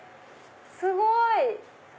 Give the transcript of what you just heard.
すごい！